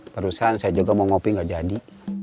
barusan saya juga mau ngopi gak jadi